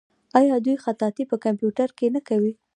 آیا دوی خطاطي په کمپیوټر کې نه کوي؟